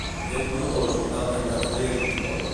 Fer un truc a l'Hospital Germans Trias i Pujol.